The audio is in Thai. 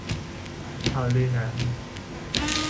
ข่าวลือหนาหู